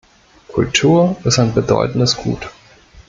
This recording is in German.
Kultur ist ein bedeutendes Gut.